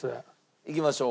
いきましょう。